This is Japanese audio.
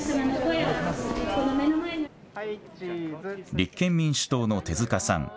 立憲民主党の手塚さん。